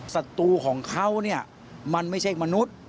ศัตรูของเขาเนี่ยมันไม่ใช่มนุษย์